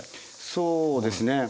そうですね。